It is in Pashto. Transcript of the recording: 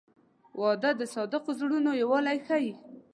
• واده د صادقو زړونو یووالی ښیي.